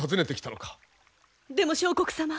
でも相国様。